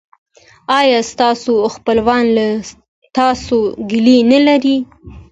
ایا ستاسو خپلوان له تاسو ګیله نلري؟